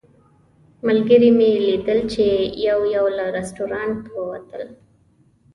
ملګري مې لیدل چې یو یو له رسټورانټ نه ووتل.